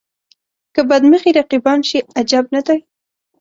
که بد مخي رقیبان شي عجب نه دی.